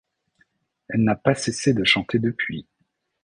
Elle n'a pas cessé de chanter depuis.